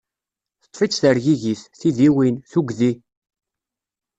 Teṭṭef-itt tergigit, tidiwin, tugdi.